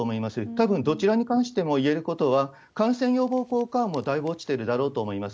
たぶんどちらに関してもいえることは、感染予防効果はもうだいぶ落ちてるだろうと思います。